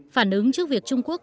phản ứng trước việc trung quốc